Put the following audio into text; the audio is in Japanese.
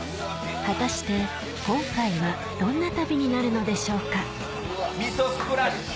果たして今回はどんな旅になるのでしょうか味噌スプラッシュ。